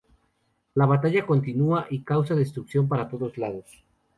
La batalla continúa y causa destrucción por todos lados.